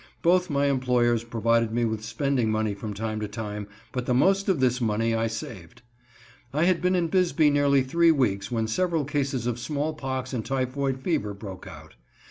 Both my employers provided me with spending money from time to time, but the most of this money I saved. I had been in Bisbee nearly three weeks when several cases of smallpox and typhoid fever broke out.